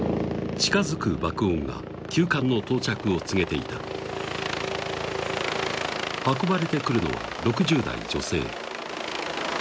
近づく爆音が急患の到着を告げていた運ばれてくるのは６０代女性